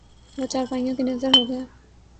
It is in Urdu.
وہ چارپائیوں کی نذر ہو گیا